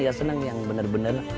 ya senang yang benar benar